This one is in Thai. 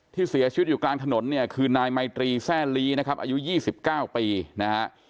ที่เสียชีวิตอยู่กลางถนนเนี่ยคือนายไมตรีแซ่ลีนะครับอายุ๒๙ปีนะฮะ